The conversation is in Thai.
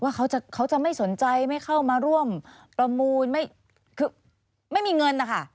เขาจะไม่สนใจไม่เข้ามาร่วมประมูลคือไม่มีเงินนะคะ